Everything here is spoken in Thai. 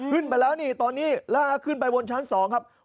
ขึ้นไปแล้วนี่ตอนนี้ลากขึ้นไปบนชั้น๒ครับ